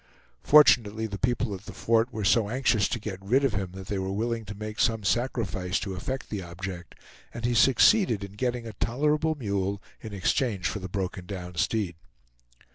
Fortunately the people at the fort were so anxious to get rid of him that they were willing to make some sacrifice to effect the object, and he succeeded in getting a tolerable mule in exchange for the broken down steed.